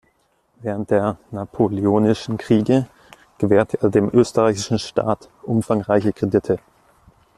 Während der napoleonischen Kriege gewährte er dem österreichischen Staat umfangreiche Kredite.